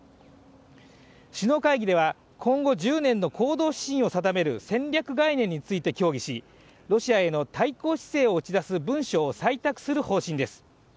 首脳会議では、今後１０年の行動指針を定める戦略概念について協議しロシアへの対抗姿勢を打ち出す文書を採択する方針です。